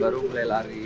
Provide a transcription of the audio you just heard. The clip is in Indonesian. baru mulai lari